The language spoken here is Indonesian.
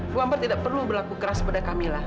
bu ambar tidak perlu berlaku keras pada kamilah